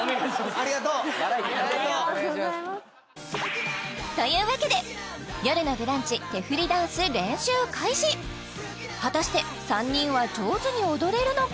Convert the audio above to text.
ありがとうというわけで「よるのブランチ」手振りダンス練習開始果たして３人は上手に踊れるのか？